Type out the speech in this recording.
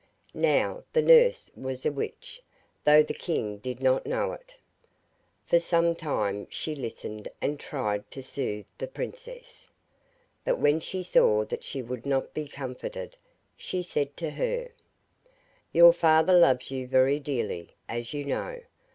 Now, the nurse was a witch, though the king did not know it. For some time she listened and tried to soothe the princess; but when she saw that she would not be comforted, she said to her: 'Your father loves you very dearly, as you know.